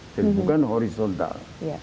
jadi bukan horizontal